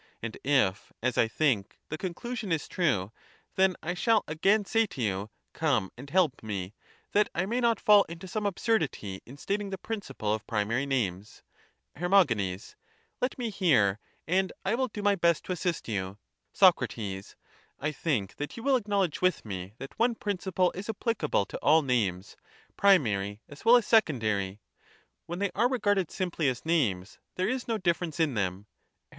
And if, as I think, the conclusion is true, then I shall again say to you, come and help me, that I may not fall into some absurdity in stating the principle of primary names. Her. Let me hear, and I will do my best to assist you. Soc. I think that you will acknowledge with me, that one principle is apphcable to all names, primary as well as secondary — when they are regarded simply as names, there is no difference in them. Her.